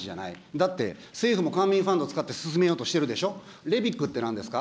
だって、政府も官民ファンド使って進めようとしているでしょ、ＲＥＶＩＣってなんですか。